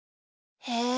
へえ。